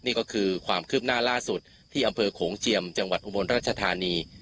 นี่ก็คือความคืบหน้าล่าสุดที่อำเภอโขงเจียมจังหวัดอุบลราชธานี